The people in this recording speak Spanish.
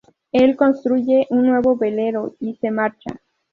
Él construye un nuevo velero y se marcha.